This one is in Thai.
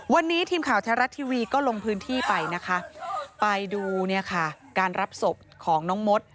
วันนี้ทีมข่าวแท้รัฐทีวีก็ลงพื้นที่ไปนะคะไปดูเนี่ยค่ะการรับศพของน้องมด